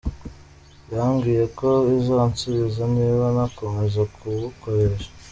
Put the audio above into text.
Yambwiye ko izansubiza niba nakomeza kuwukoresha.